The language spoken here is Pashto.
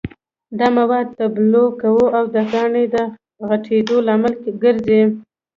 دا مواد تبلور کوي او د کاڼي د غټېدو لامل ګرځي.